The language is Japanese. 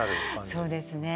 そうですね。